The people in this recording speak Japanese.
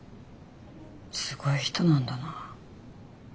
すごい人なんだな。